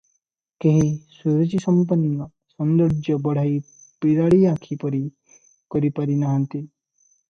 କେହି ସୁରୁଚିସମ୍ପନ୍ନ ସୌନ୍ଦର୍ଯ୍ୟ ବଢ଼ାଇ ବିରାଡ଼ି ଆଖି ପରି କରିପାରି ନାହାନ୍ତି ।